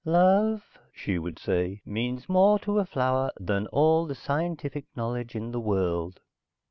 "Love," she would say, "means more to a flower than all the scientific knowledge in the world."